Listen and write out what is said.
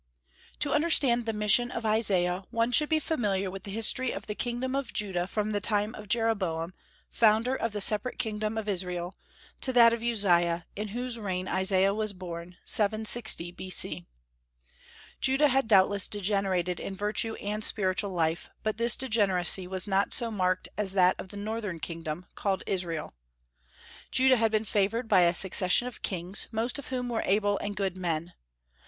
To understand the mission of Isaiah, one should be familiar with the history of the kingdom of Judah from the time of Jeroboam, founder of the separate kingdom of Israel, to that of Uzziah, in whose reign Isaiah was born, 760 B.C. Judah had doubtless degenerated in virtue and spiritual life, but this degeneracy was not so marked as that of the northern kingdom, called Israel. Judah had been favored by a succession of kings, most of whom were able and good men.